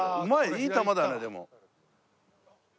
いい球だねでも。